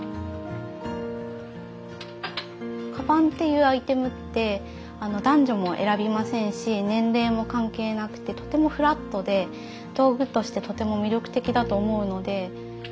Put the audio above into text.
かばんっていうアイテムって男女も選びませんし年齢も関係なくてとてもフラットで道具としてとても魅力的だと思うので。